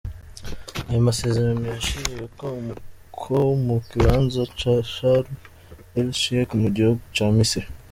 Ayo masezerano yashiriweko umuko mu kibanza ca Sharm el Sheikh mu gihugu ca Misiri.